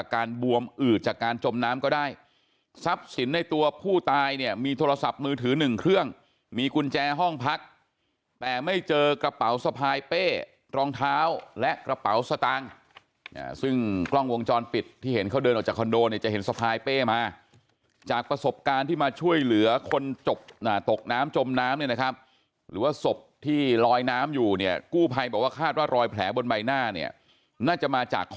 การบวมอื่นจากการจมน้ำก็ได้ทรัพย์สินในตัวผู้ตายเนี่ยมีโทรศัพท์มือถือหนึ่งเครื่องมีกุญแจห้องพักแต่ไม่เจอกระเป๋าสะพายเป้รองเท้าและกระเป๋าสตางค์ซึ่งกล้องวงจรปิดที่เห็นเขาเดินออกจากคอนโดเนี่ยจะเห็นสะพายเป้มาจากประสบการณ์ที่มาช่วยเหลือคนจบตกน้ำจมน้ำนี่นะครับหรือว่าสบที่ลอยน้ำ